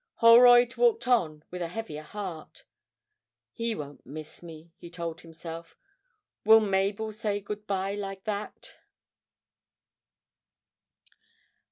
Holroyd walked on with a heavier heart. 'He won't miss me,' he told himself. 'Will Mabel say good bye like that?'